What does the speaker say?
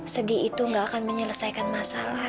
sedih itu gak akan menyelesaikan masalah